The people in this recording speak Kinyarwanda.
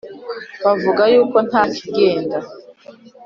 bavuga yuko nta kigenda